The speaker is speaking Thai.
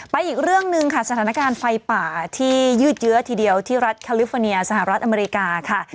อีกเรื่องหนึ่งค่ะสถานการณ์ไฟป่าที่ยืดเยอะทีเดียวที่รัฐคาลิฟอร์เนียสหรัฐอเมริกาค่ะ